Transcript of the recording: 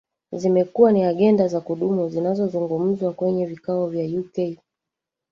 Zimekuwa ni agenda za kudumu zinazozungumzwa kwenye vikao vya uk